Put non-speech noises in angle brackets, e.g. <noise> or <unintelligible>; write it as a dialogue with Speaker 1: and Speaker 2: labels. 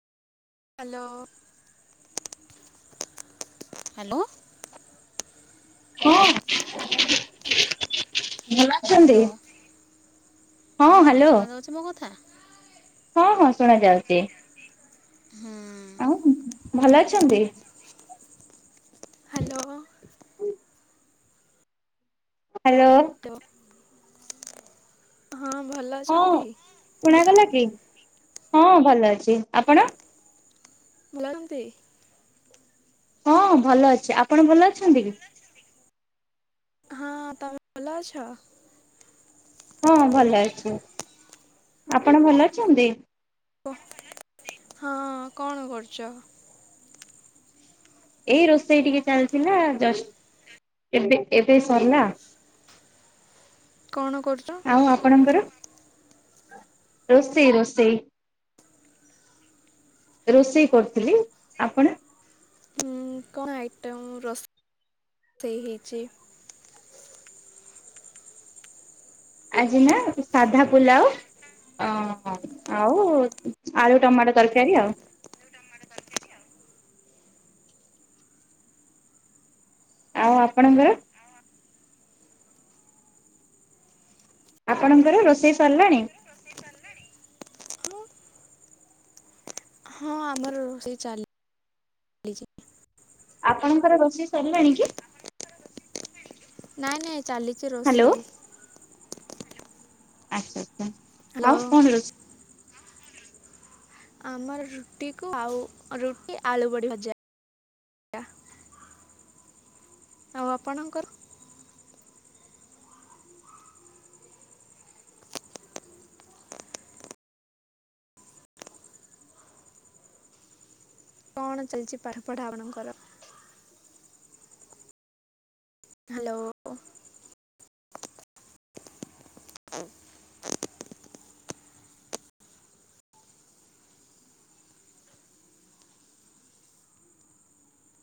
Speaker 1: Hello hello.
Speaker 2: ହଁ। ଭଲ ଅଛନ୍ତି
Speaker 1: ହ୍ୟାଲୋ
Speaker 2: ହଁ ହ୍ୟାଲୋ।
Speaker 1: ଶୁଣାଯାଉଛି ମୋ କଥା
Speaker 2: ହଁ ହଁ ଶୁଣା ଯାଉଛି।
Speaker 1: ହୁଁ।
Speaker 2: ଆଉ <unintelligible> ଭଲ ଅଛନ୍ତି?
Speaker 1: ହ୍ୟାଲୋ।
Speaker 2: ହ୍ୟାଲୋ।
Speaker 1: ତ ହଁ ଭଲ ଅଛନ୍ତି?
Speaker 2: ଶୁଣା ଗଲା କି? ହଁ ଭଲ ଅଛି। ଆପଣ?
Speaker 1: ଭଲ ଅଛନ୍ତି?
Speaker 2: ହଁ ଭଲ ଅଛି। ଆପଣ ଭଲ ଅଛନ୍ତି କି?
Speaker 1: ହଁ। ତମେ ଭଲ ଅଛ?
Speaker 2: ହଁ ଭଲ ଅଛି। ଆପଣ ଭଲ ଅଛନ୍ତି?
Speaker 1: ହଁ। କଣ କରୁଛ?
Speaker 2: ଏଇ ରୋଷେଇ ଟିକେ ଚାଲିଥିଲା ଜଷ୍ଟ ଏବେ ଏବେ ସରିଲା।
Speaker 1: କଣ କରୁଛ?
Speaker 2: ଆଉ ଆପଣଙ୍କର? ରୋଷେଇ ରୋଷେଇ। ରୋଷେଇ କରୁଥିଲି। ଆପଣ?
Speaker 1: ଉଁ କଣ ଆଇଟମ୍ ରୋସ ଷେଇ ହେଇଛି?
Speaker 2: ଆଜି ନା ସାଧା ପୁଲାଉ। ଓହୋ ଆଉ ଆଳୁ, ଟମାଟୋ ତରକାରୀ ଆଉ। ଆଉ ଆପଣଙ୍କର? ଆପଣଙ୍କର ରୋଷେଇ ସରିଲାଣି?
Speaker 1: ହଁ ଆମର ରୋଷେଇ ଚାଲ ଲିଚି।
Speaker 2: ଆପଣଙ୍କର ରୋଷେଇ ସରିଲାଣି କି?
Speaker 1: ନାଇଁ ନାଇଁ ଚାଲିଛି
Speaker 2: ହ୍ୟାଲୋ
Speaker 1: ରୋଷେଇ।
Speaker 2: ଆଚ୍ଛା ଆଚ୍ଛା
Speaker 1: ହ୍ୟାଲୋ।
Speaker 2: ଆଉ କଣ ରୋଷ
Speaker 1: ଆମର ରୁଟି କୁ ଆଉ ରୁଟି, ଆଳୁ ବଡି ଭଜା। ଆଉ ଆପଣଙ୍କର? କଣ ଚାଲିଛି ପାଠପଢା ଆପଣଙ୍କର? ହାଲୋ।